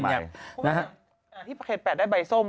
แล้วคนที่ได้ใบส้ม